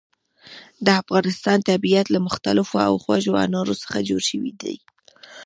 د افغانستان طبیعت له مختلفو او خوږو انارو څخه جوړ شوی دی.